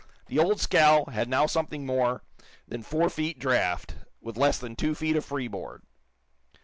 The old scow had now something more than four feet draught, with less than two feet of freeboard.